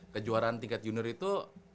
kejuaraan tingkat junior itu